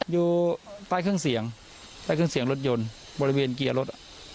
อยู่ใต้เครื่องเสียงใต้เครื่องเสียงรถยนต์บริเวณเกียร์รถ